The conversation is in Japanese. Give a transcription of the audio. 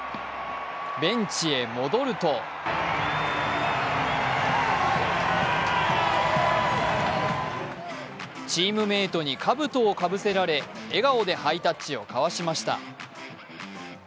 ベンチへ戻るとチームメイトにかぶとをかぶせられ笑顔でハイタッチを交わしました。